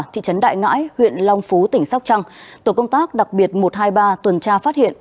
thị trấn đại ngãi huyện long phú tỉnh sóc trăng tổ công tác đặc biệt một trăm hai mươi ba tuần tra phát hiện